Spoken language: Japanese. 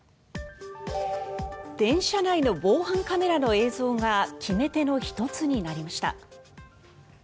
電車内の防犯カメラの映像が決め手の１つになりました。